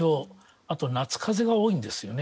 あとは夏風邪が多いんですよね。